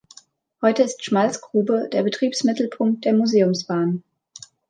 Heute ist Schmalzgrube der Betriebsmittelpunkt der Museumsbahn.